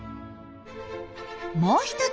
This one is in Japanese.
もう一つ。